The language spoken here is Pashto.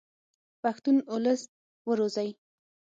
پښتون اولس و روزئ.